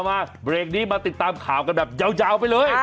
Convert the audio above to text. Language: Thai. มาเบรกนี้มาติดตามข่าวกันแบบยาวไปเลย